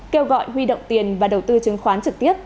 kêu gọi huy động tiền và đầu tư chứng khoán trực tiếp